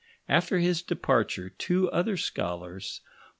After his departure, two other scholars, MM.